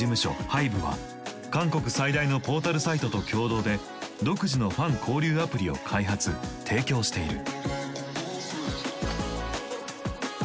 ハイブは韓国最大のポータルサイトと共同で独自のファン交流アプリを開発提供している。